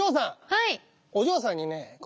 はい。